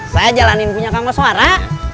saya jalanin punya kamar suara